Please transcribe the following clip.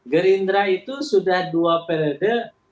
gerindra itu sudah dua periode